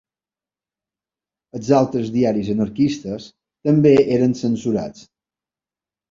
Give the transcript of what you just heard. Els altres diaris anarquistes també eren censurats